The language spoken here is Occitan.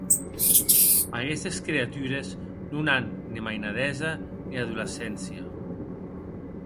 Aguestes creatures non an ne mainadesa, ne adolescéncia.